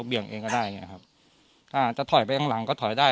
เองก็ได้อย่างเงี้ครับอ่าจะถอยไปข้างหลังก็ถอยได้